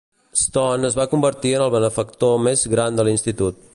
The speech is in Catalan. Stone es va convertir en el benefactor més gran de l'Institut.